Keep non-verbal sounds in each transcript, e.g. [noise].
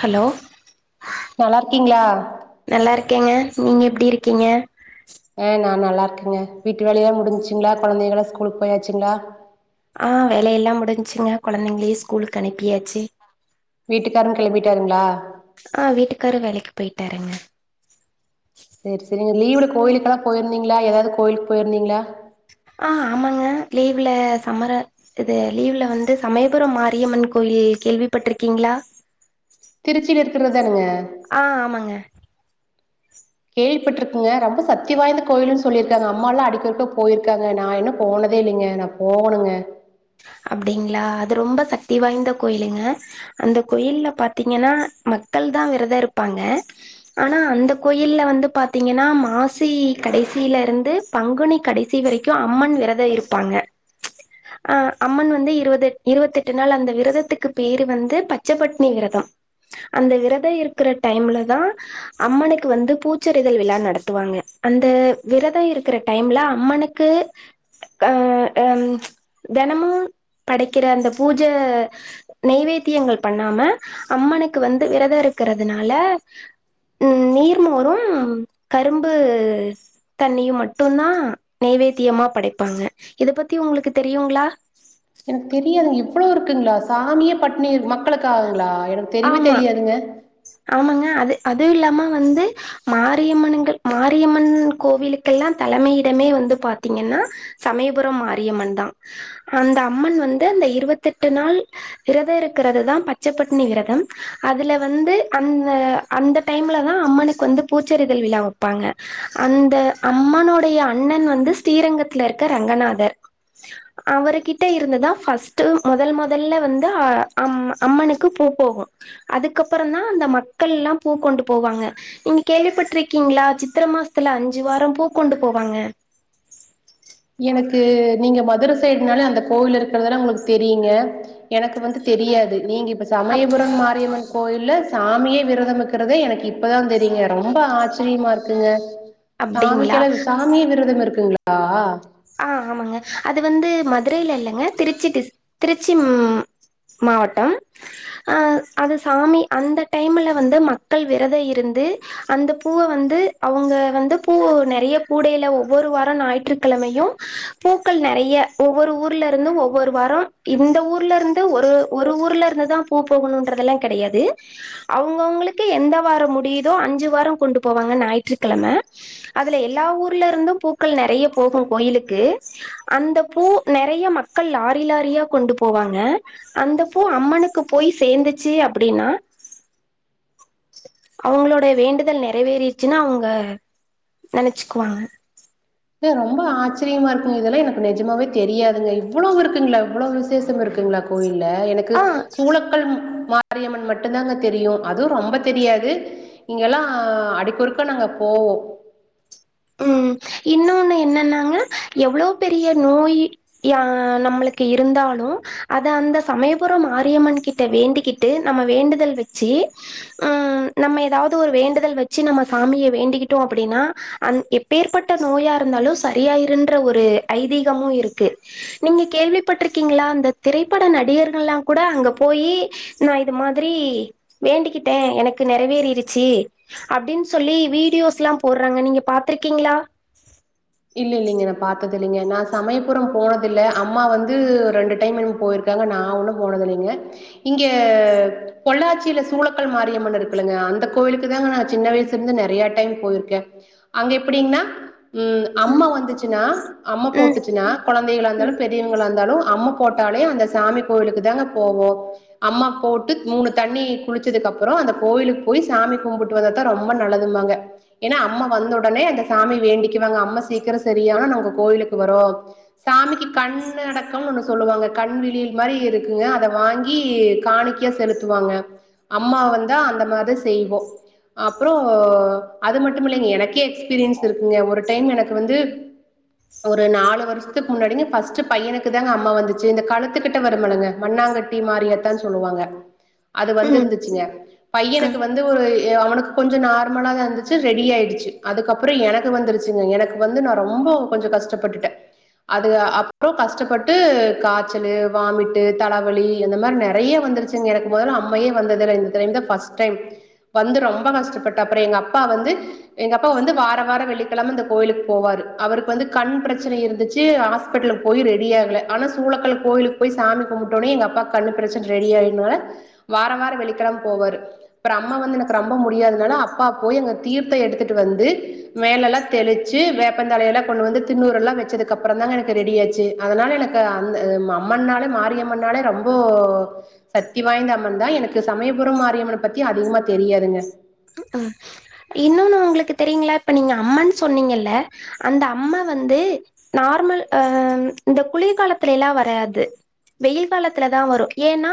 hello நல்லா இருக்கீங்களா நல்லா இருக்கேங்க நீங்க எப்டி இருக்கீங்க ஆ நா நல்லா இருக்கேங்க வீட்டு வேலையல்லா முடிஞ்ச்சிங்களா கொழந்தைங்கல்லா ஸ்கூலுக்கு போயாச்சுங்களா ஆ வேலையல்லா முடிஞ்சிங்க கொழந்தைங்களையு ஸ்கூலுக்கு அனுப்பியாச்சு வீட்டுக்காரு கெளம்பிட்டாருங்களா ஆ வீட்டுக்காரு வேலைக்கி போயிட்டாருங்க சேரி சேரிங்க லீவ்ல கோயிலுக்கு எல்லா போயிருந்தீங்களா ஏதாவது கோயிலுக்கு போயிருந்தீங்களா ஆ ஆமாங்க லீவ்ல சம்மர இது லீவ்ல வந்து சமயபுரம் மாரியம்மன் கோயில் கேள்விப்பட்ருக்கீங்களா திருச்சில இருக்றதுதானுங்க ஆ ஆமங்க கேள்விப்பட்ருக்கேங்க ரொம்ப சத்தி வாய்ந்த கோயிலுன்னு சொல்லிருக்காங்க அம்மால்லா அடிக்கொருக்க போயிருக்காங்க நா இன்னு போனதே இல்லைங்க நா போகணுங்க அப்டிங்களா அது ரொம்ப சக்தி வாய்ந்த கோயிலுங்க அந்த கோயில்ல பாத்தீங்கன்னா மக்கள்தா விரதோ இருப்பாங்க ஆனா அந்த கோயில்ல வந்து பாத்தீங்கன்னா மாசி கடைசில இருந்து பங்குனி கடைசி வரைக்கு அம்மன் விரதோ இருப்பாங்க அ அம்மன் வந்து இருவது இருவத்தெட்டு நாள் அந்த விரதத்துக்கு பேரு வந்து பச்சப்பட்னி விரதம் அந்த விரத இருக்கிற டைம்லதா அம்மனுக்கு வந்து பூச்சறிதல் விழா நடத்துவாங்க அந்த விரத இருக்கிற டைம்ல அம்மனுக் கு ஆ அம் தெனமு படைக்கிற அந்த பூஜ நெவேத்தியங்கள் பண்ணாம அம்மனுக்கு வந்து விரத இருக்கறதுனால ம் நீர்மோரும் கரும்பு தண்ணியும் மட்டுந்தா நெவேத்தியமா படைப்பாங்க இத பத்தி உங்ளுக்கு தெரியுங்ளா எனக்கு தெரியாதுங் இவ்வளோ இருக்குங்ளா சாமியே பட்னி மக்களுக்காகங்ளா எனக்கு தெரியவே ஆமா தெரியாதுங்க ஆமாங்க அது அதுவு இல்லாம வந்து மாரியம்மனுங்கள் மாரியம்மன் கோவிலுக்கெல்லா தலைமையிடமே வந்து பாத்தீங்கென்னா சமயபுரம் மாரியம்மன்தா அந்த அம்மன் வந்து அந்த இருவெத்தெட்டு நாள் விரத இருக்கிறதுதா பச்சப்பட்னி விரதம் அதுல வந்து அந்த அந்த டைம்லதா அம்மனுக்கு வந்து பூச்செறிதல் விழா வப்பாங்க அந்த அம்மனுடைய அண்ணன் வந்து ஸ்ரீரங்கத்துல இருக்க ரங்கநாதர் அவருகிட்ட இருந்துதா ஃபஸ்ட்டு மொதல் மொதல்ல வந்து அ அம் அம்மனுக்கு பூ போகு அதுக்கப்புறோந்தா அந்த மக்கள்லா பூ கொண்டு போவாங்க நீங்க கேள்விப்பட்டிருக்கீங்ளா சித்திர மாஸ்த்துல அஞ்சு வாரோ பூ கொண்டு போவாங்க எனக்கு நீங்க மதுர சைடுனாலே அந்த கோவில் இருக்கிறதுல்லா உங்களுக் தெரியுங்க எனக்கு வந்து தெரியாது நீங்க இப்ப அப் சமயபுரம் மாரியம்மன் கோயில்ல சாமியே விரதம்க்கிறதே எனக்கு இப்பதா தெரியுங்க ரொம்ப ஆச்சரியமா இருக்குங்க அப்டிங்களா சாமிக்கெலா சாமியே விரதம் இருக்குங்ளா ஆ ஆமாங்க அது வந்து மதுரையில இல்லைங்க திருச்சி டிஸ் திருச்சி ம் மாவட்டம் அ அது சாமி அந்த டைமுல வந்து மக்கள் விரத இருந்து அந்த பூவ வந்து அவுங்க வந்து பூ நெறைய கூடையில ஒவ்வொரு வாரோ ஞாய்ற்றுக்கிழமை யு பூக்கள் நெறய ஒவ்வொரு ஊர்ல இருந்து ஒவ்வொரு வாரோ இந்த ஊர்ல இருந்து ஒரு ஒரு ஊர்ல இருந்துதா பூ போகணுன்றதெல்லா கெடையாது அவுங்கவுங்களுக்கு எந்த வாரோ முடியுதோ அஞ்சு வாரோ கொண்டு போவாங்க ஞாயிற்றுக்கிழம அதுல எல்லா ஊர்ல இருந்து பூக்கள் நெறைய போகு கோயிலுக்கு அந்த பூ நெறைய மக்கள் லாரி லாரியா கொண்டு போவாங்க அந்த பூ அம்மனுக்கு போய் சேந்துச்சு அப்படீனா அவுங்களோட வேண்டுதல் நிறைவேறிட்ச்சுனு அவுங்க நெனச்சுக்குவாங்க ஏ ரொம்ப ஆச்சரியமா இருக்குங் இதெல்லா எனக்கு நெஜமாவே தெரியாதுங்க இவ்வளோ இருக்குங்ளா இவ்வளோ விசேஷம் இருக்குங்ளா கோயில்ல எனக்கு ஆ சூளக்கல் மாரிய ம்மன் மட்டுந்தாங்க தெரியு அதுவு ரொம்ப தெரியாது இங்கெல்லா ஆடிக்கொருக்க நாங்க போவோ ம் இன்னோனு என்னன்னாங்க எவ்வளோ பெரிய நோயி யா நம்மளுக்கு இருந்தாலு அத அந்த சமயபுரம் மாரியம்மன் கிட்ட வேண்டிக்கிட் டு நம்ம வேண்டுதல் வெச்சு ம் நம்ம எதாவ்து ஒரு வேண்டுதல் வெச்சு நம்ம சாமிய வேண்டிக்கிட்டோ அப்படீனா அந் எப்பேற்பட்ட நோயா இருந்தாலு சரியாயிருன்ற ஒரு ஐதீகமு இருக்கு நீங்க கேள்விப்பட்ருக்கீங்களா அந்த திரைப்பட நடிகர்கள்லா கூட அங்க போயி நா இது மாதிரி வேண்டிக்கிட்டே எனக்கு நெறைவேறிருச்சி அப்படின்னு சொல்லி வீடியோஸ் எல்லா போடுறாங்க நீங்க பாத்துருக்கீங்களா இல்ல இல்லைங்க நா பாத்தது இல்லைங்க நா சமயபுறோ போனதில்ல அம்மா வந்து ரெண்டு டைம் என்னமோ போயிருக் காங்க நா ஒன்னு போனதில்லைங்க இங்க பொள்ளாச்சியில சூலக்கல் மாரியம்மன் இருக்குல்லங்க அந்த கோவிலுக்கு தாங்க நா சின்ன வயசு இருந்து நெறையா டைம் போயிருக்கே அங்க எப்டிங்னா ம் அம்மா வந்துச்சுன்னா அம்மா ம் போட்டுச்சுனா கொழந்தைகளா இருந்தாலு ம் பெ ரியவங்களா இருந்தாலு அம்ம போட்டாலே அந்த சாமி கோவிலுக்கு தாங்க போவோ அம்மா போட்டு மூணு தண்ணி குளிச்சதுக்கப்புறோ அந்த கோவிலுக்கு போயி சாமி கும்புட் வந்த தா ரொம்ப நல்லதுமாங்க ஏனா அம்ம வந்த உடனே அந்த சாமி வேண்டிக்குவாங்க அம்ம சீக்கிரோ செரியான நா உங்க கோயிலுக்கு வரோ சாமிக்கு கண் அடக்கம்னு ஒன்னு சொல்லுவாங்க கண் விழியல் மாரி இருக்குங்க அத வாங்கி காணிக் கை செலுத்துவாங்க அம்மா வந்தா அந்த மாதிரி செய்வோ அப்றோ அது மட்டு இல்லைங்க எனக்கே எக்ஸ்பீரியன்ஸ் இருக்குங்க ஒரு டைம் எனக் கு வந்து ஒரு நாலு வருஷத்துக்கு முன்னாடிங்க ஃபர்ஸ்டு பையனுக்கு தாங்க அம்மா வந்துச்சு இந்த கழுத்துக்கிட்ட வருமலங்க மண்ணாங்க ட்டி மாரியாத்தானு சொல்லுவாங்க அது ம் வந்துருந்துச்சுங்க ஆ பையனுக்கு வந் து ஒரு அவனுக்கு கொஞ்சோ நார்மலாதா இருந்துச்சு ரெடி ஆயிடுச்சு அதுக்கப்றோ எனக்கு வந்துருச்சுங்க எனக் எனக்கு வந்து நா ரொம்போ கொஞ்ச கஷ்டப்பட்டுட்டே அது அப்றோ கஷ்டப்பட்டு காய்ச்சலு வாமிட்டு தலவலி இந்த மாரி நெறையா வந்துருச்சு ங்க எனக்கு மொதல்லா அம்மையே வந்தது இல்ல இந்த தடவைங்தா ஃபர்ஸ் டைம் வந்து ரொம்ப கஷ்டப்பட்டு அப்றோ எங்க அப்பா வந்து எங்க அப்பா வந்து வார வார வெள்ளிக்கெழம இந்த கோயிலுக்கு போவாரு அவருக்கு வந்து கண் பிரச்சனை இருந்துச்சு ஹாஸ்பிட்டலுக்கு போயி ரெடி ஆகல ஆனா சூளக்கல் கோயிலுக் போயி சாமி கும்புட்டோனே எங்க அப்பாக்கு கண்ணு பிரச்சன ரெடி ஆயினால வாரோ வாரோ வெள்ளிக்கெழம போவாரு அப்புறம் அம்மா வந்து எனக்கு ரொம்ப முடியாததுனால அப்பா போயி அங்க தீர்த்தோ எடுத்துட்டு வந்து மேலெல்லா தெளிச்சு வேப்பந்தலையெல்லா கொண்டு வந்து தின்ணூறெல்லா வச்சதுக்கு அப்றோ தாங்க எனக்கு ரெடி ஆச்சு அதனால எனக் அந்த அ அம்மனாலே மாரியம்மனாலே ரொம்போ சக்தி வாய்ந்த அம்மன் தா எனக்கு சமயபுறோ மாரியம்மன பத்தி அதிகமா தெரியாதுங்க ம் இன்னொன்னு உங்களுக்கு தெரியுங்களா இப்ப நீங்க அம்மன்னு சொன்னீங்கல்ல அந்த அம்மா வந்து நார்மல் அ இந்த குளிர்காலத்துல எல்லா வராது வெயில் காலத்துல தா வரு ஏனா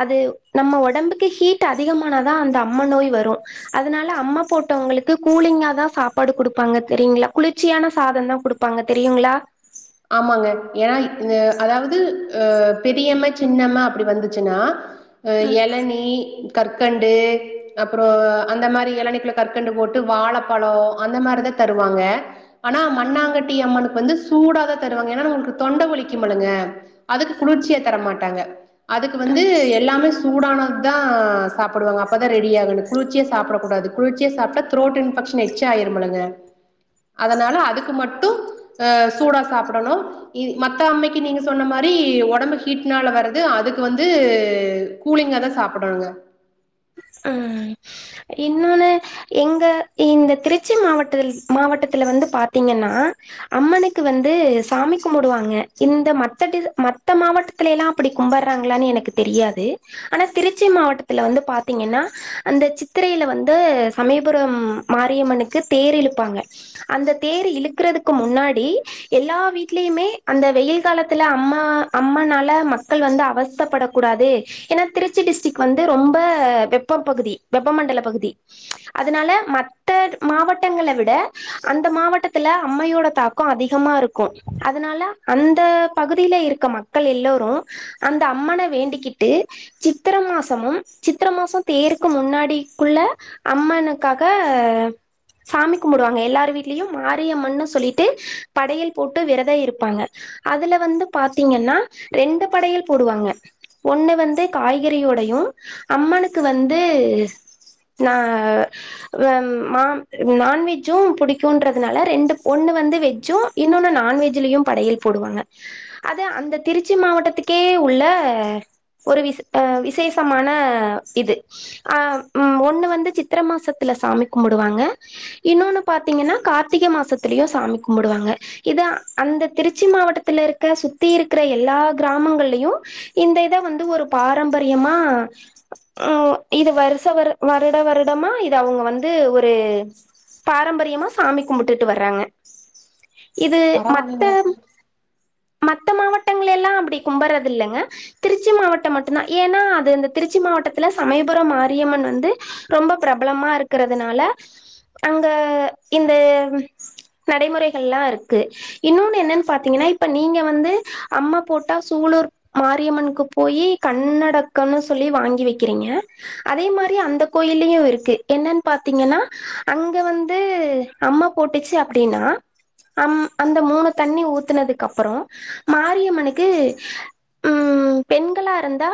அது நம்ம உடம்புக்கு ஹீட் ஆ அதிகமான தா அந்த அம்ம நோய் வரு அதனால அம்மா போட்டவங்களுக்கு கூலிங்கா தா சாப்பாடு குடுப்பாங்க தெரியுங்களா குளிர்ச்சியான சாதோந்தா குடுப் ப்பாங்க தெரியுங்களா ஆமாங்க ஏனா இது அதாவது அ பெரியம்ம சின்னம்ம அப்டி வந்துச்சுன்னா அ ம் எளநீ கற்கண்டு அப்றோ அந்த மாரி எளநீக்குள்ள கற்கண்டு போட்டு வாழப்பழோ அந்த மாரிதா தருவாங்க ஆனா மண்ணாங்கட்டி அம்மனுக்கு வந்து சூடாதா தருவாங்க ஏனா நம்மளுக்கு தொண்ட வலிக்குமுல்லங்க அதுக்கு குளுர்ச்சியா தர மாட்டாங்க அதுக்கு வந்து ம் எல்லாமே சூடானது தா சாப்புடுவாங்க அப்பதா ரெடி ஆகுனு குளுர்ச்சியா சாப்டக்கூடாது குளுர்ச்சியா சாப்டா த்ரோட் இன்பக்ஷன் எச்ச ஆயிருமுல்லங்க அதனால அதுக்கு மட்டு அ சூடா சாப்புடணு இ மத்த அம்மைக்கு நீங்க சொன்ன மாரி ஒடம்பு ஹீட்னால வர்றது அதுக்கு வந்து கூலிங்கா தா சாப்டணுங்க ம் இன்னோனு எங்க இந்த திருச்சி மாவட்டல் மாவட்டத்துல வந்து பாத்தீங்கன்னா அம்மனுக்கு வந்து சாமி கும்பிடுவாங்க இந்த மத்டி மத்த மாவட்ட த்தி எல்லா அப்பிடி கும்படுறாங்களனு எனக்கு தெரியாது ஆனா திருச்சி மாவட்டத்தில வந்து பாத் த்தீங்கன்னா அந்த சித்திரையில வந்து சமயபுரம் மாரியம்மனுக்கு தேர் இழுப்பாங்க அந்த தேர் இழுக்குறதுக்கு முன்னாடி எல்லா வீட்லியுமே அந்த வெயில் காலத்துல அம்மா அம்மனால மக்கள் வந்து அவஸ்தப்பட கூடாது ஏன்னா திருச்சி டிஸ்டிக் வந்து ரொம்ப வெப்ப பகுதி வெப்பமண்டல பகுதி அதனால மத்த மாவட்டங்கள விட அந்த மாவட்டத்துல அம்மையோட தாக் க்கோ அதிகமா இருக்கு அதனால அந்த பகுதியில இருக்க மக்கள் எல்லோரு அந்த அம்மன வேண்டிக்கிட்டு சித்திர மாசமும் சித்திர மாசம் தேருக்கு முன்னாடிக்குள்ள அம்மனுக்காக சாமி கும்புடுவாங்க எல்லார வீட்லியு மாரியம்மன் சொல்லிட்டு படையல் போட்டு விரதம் இருப்பாங்க அதுல வந்து பாத்தீங்கன்னா ரெண்டு படையல் போடுவாங்க ஒன்னு வந்து காய்கறியோடையு அம்மனுக்கு வந்து நா வேம் மா நான்வெஜ்ஜும் புடிக்குன்றதுனால ரெண்டு ஒன்னு வந்து வெஜ்ஜு இன்னொன்னு நான்வெஜ்லயு படையில் போடுவாங்க அது அந்த திருச்சி மாவட்டத்துக்கே உள்ள ஒரு விச ஆ விசேஷமான இது அ ம் ஒன்னு வந்து சித்திர மாசத்துல சாமி கும்பிடுவாங்க இன்னொன்னு பாத்தீங்கன்னா கார்த்திக மாசத்துலியு சாமி கும்பிடுவாங்க இத அந்த திருச்சி மாவட்டத்துல இருக்க சுத்தி இருக்கிற எல்லா கிராமங்கள்லயு இந்த இத வந்து ஒரு பாரம்பரியமா ம் இது வருச வர வருட வருடமா இது அவுங்க வந்து ஒரு பாரம்பரியமா சாமி கும்பிட்டுட்டு வர்றாங்க இது மத்த பரவாயில்லைங்க மத்த மாவட்டங்கள் லே எல்லா அப்பிடி கும்பறது இல்லங்க திருச்சி மாவட்டம் மட்டும்தா ஏன்னா அது இந்த திருச்சி மாவட் ட்டத்துல சமயபுரம் மாரியம்மன் வந்து ரொம்ப பிரபலமா இருக்கிறதனால அங்க இந்த நடைமுறைகல்லா இருக்கு இன்னொன்னு என்னன் பாத்திங்கன்னா இப்ப நீங்க வந்து அம்மா போட்டா சூழூர் மாரியம்மனுக்கு போயி கண்ணடக்கம்ன்னு சொல்லி வாங்கி வைக்கிறீங்க அதே மாரி அந்த கோயிலயு இருக்கு என்னென் பாத்தீங்கன்னா அங்க வந்து அம்ம போட்டுச்சி அப்டின்னா அம் அந்த மூனு தண்ணி ஊத்துனதுக்கு அப்புறோ மாரியம்மனுக்கு ம் பெண்களா இருந்தா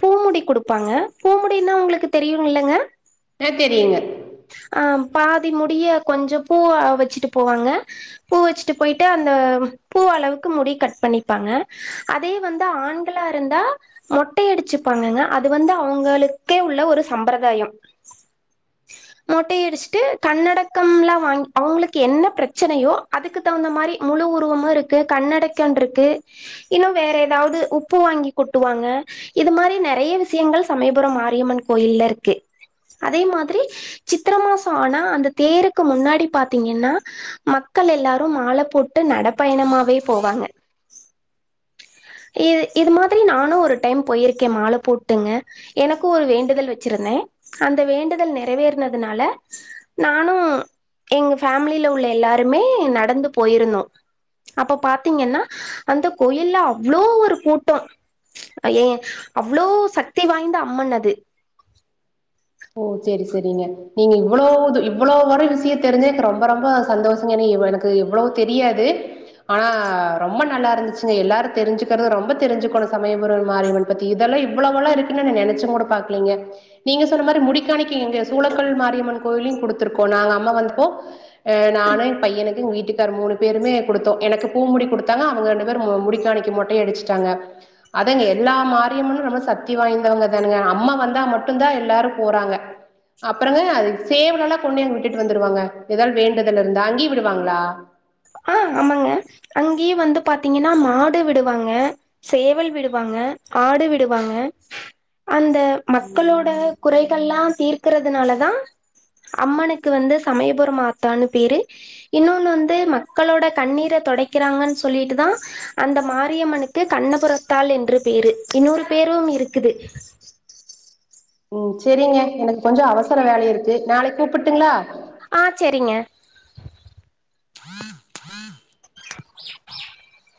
பூ முடி குடுக் ப்பாங்க பூ முடியன்னா உங்களுக்கு தெரியு இல்லங்க அ தெரியுங்க ஆ பாதி முடிய கொஞ்ச பூவ வச்சிட்டு போவாங்க பூ வச்சிட்டு போயிட்டு அந்த பூ அளவுக்கு முடி கட் பண்ணிப்பாங்க அதே வந்து ஆண்களா இருந்தா மொட்டை அடிச்சிப்பாங்கங்க அது வந்து அவங்களுக்கே உள்ள ஒரு சம்பிரதாயம் மொட்டையடிச்சிட்டு கன்னடக்கம்லா வாங்கி அவங்களுக்கு என்ன பிரச்சனையோ அதுக்கு த்குந்த மாரி முழு உருவமு இருக்கு கண்ணடக்க இருக்கு இன்னு வேற எதாவது உப்பு வாங்கி கொட்டுவாங்க இது மாரி நெறைய விஷயங்க சமயபுரம் மரியியம்மன் கோயில்ல இருக்கு அதே மாதிரி சித்ர மாசோ ஆனா அந்த தேருக்கு முன்னாடி பாத்தீங்கன்னா மக்கள் எல்லாரு மால போட்டு நடப்பயணமாவே போவாங்க [unintelligible] இது இது மாதிரி நானு ஒரு டைம் போயிருக்கே மா போட்டுங்க எனக்கு ஒரு வேண்டுதல் வெச்சிருந்தே அந்த வேண்டுதல் நிறைவேற துனால நானு எங்க ஃபேமிலில உள்ள எல்லாருமே நடந்து போயிருந்தோ அப்ப பாத்தீங்கன்னா அந்த கோயில்ல அவ்ளோ ஒரு கூட்டோ ஐயே அவ்ளோ சக்தி வாய்ந்த அம்மன் அது ஓ சேரி சேரிங்க நீங்க இவ்ளோ இது இவ்ளோ வர விஷயோ தெரிஞ்ச எனக்கு ரொம்ப ரொம்ப சந்தோஷங்க என்னா இவ்ளோ எனக் க்கு இவ்ளோ தெரியாது ஆனா ரொம்ப நல்லா இருந்துச்சிங்க எல்லாரு தெரிஞ்சிக்கறது ரொம்ப தெரிஞ்சுக்கணு சமயபுரம் மாரியம்மன் பத்தி இதெல்லா இவ்லோவல்லா இருக்குன்னு நா நெனைச்சிங் கூட பாக்கலீங்க நீங்க சொன்ன மாதிரி முடிக்கணிக்க எங்க சூளக்கல் மாரியம்மன் கோயில்லயு குடுத்திருக்கோ நாங்க அம்மா வந்தப்போ அ நானு எயா பையனுக்கு எங் வீட்டுக் காரு மூணு பேருமே குடுத்தோ எனக்கு பூ முடி குடுத்தாங்க அவங்க ரெண்டு பேரு முடிக்காணிக்க மொட்ட அடிச்சிட்டாங்க அதாங்க எல்லா மாரியம்மனு ரொம்ப சக்தி வாய்ந்தவங்க தானுங்க அம்மா வந்தா மட்டு தா எல்லாரு போறாங்க அப்றோங்க அது சேவல் எல்லா கொண்டு அங்க விட்டுட்டு வந்துருவாங்க ஏதாது வேண்டுதல இருந்தா அங்கேயே விடுவாங்ளா ஆ ஆமாங்க அங்கேயே வந்து பாத்தீங்கன்னா மாடு விடுவாங்க சேவல் விடுவாங்க ஆடு விடுவாங்க அந்த மக்களோட குறைகள்லா தீக்கறதுனால தா அம்மனுக்கு வந்து சமயபுரம் ஆத்தான்னு பேரு இன்னொன்னு வந்து ம மக்களோட கண்ணீர தொடைக்கிறாங்கன்னு சொல்லிட்டுதா அந்த மாரியம்மனுக்கு கண்ணபுறத்தால் என்று பேரு இன்னொரு பேரும் இருக்குது ம் செரிங்க எனக்கு கொஞ்சோ அவசர வேலை இருக்கு நாளைக்கு கூப்புட்டுங்ளா ஆ செரிங்க [inaudible] [inaudible]